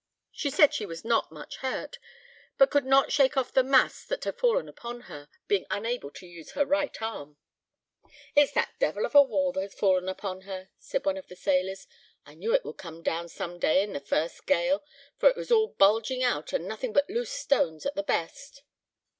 She said she was not much hurt, but could not shake off the mass that had fallen upon her, being unable to use her right arm." "It's that devil of a wall has fallen upon her," said one of the sailors. "I knew it would come down some day in the first gale, for it was all bulging out, and nothing but loose stones at the best."